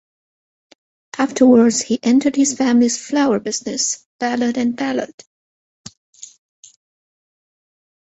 Afterwards, he entered his family's flour business, Ballard and Ballard.